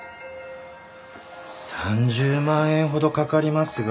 ３０万円ほど掛かりますが。